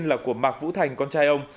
đây là của mạc vũ thành con trai ông